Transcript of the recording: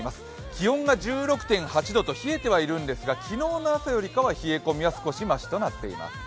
気温が１６．８度と冷えているんですが昨日の朝よりかは冷え込みは少しましとなっています。